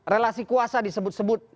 relasi kuasa disebut sebut